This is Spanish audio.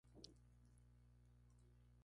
Habita en las Bahamas.